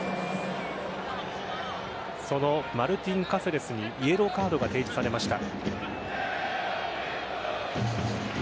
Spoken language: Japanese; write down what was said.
そのマルティンカセレスにイエローカードが提示されました。